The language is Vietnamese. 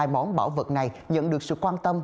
hai món bảo vật này nhận được sự quan tâm